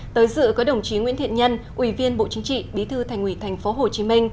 tới dự có đồng chí nguyễn thiện nhân ủy viên bộ chính trị bí thư thành ủy tp hcm